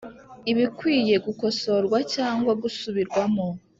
ibikwiye gukosorwa cyangwa gusubirwamo